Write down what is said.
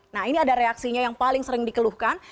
nah ini ada reaksinya yang paling sering dikeluhkan